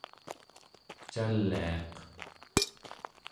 caliaq